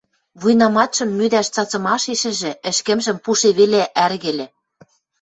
Вуйнаматшым мӱдӓш цацымашешӹжӹ ӹшкӹмжӹм пуше веле ӓргӹльӹ...